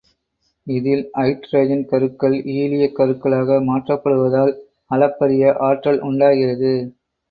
இதில் அய்டிரஜன் கருக்கள் ஈலியக் கருக்களாக மாற்றப்படுவதால் அளப்பரிய ஆற்றல் உண்டாகிறது.